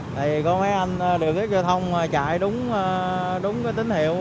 thì có mấy anh điều tiết giao thông chạy đúng tín hiệu